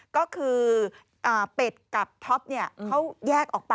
ก็คือเป็ดกับท็อปเขาแยกออกไป